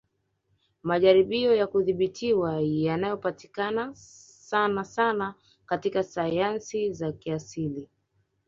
Majaribio ya kudhibitiwa yanayopatikana sanasana katika sayansi za kiasili